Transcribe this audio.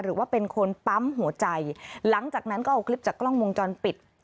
หรือว่าเป็นคนปั๊มหัวใจหลังจากนั้นก็เอาคลิปจากกล้องวงจรปิด